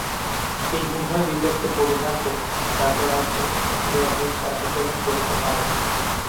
এই উভয় বিপদকে পরিহার করুন, তারপর আপনি যদৃচ্ছা বিচরণ করিতে পারেন।